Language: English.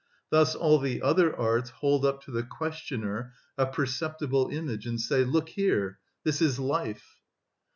Thus all the other arts hold up to the questioner a perceptible image, and say, "Look here, this is life."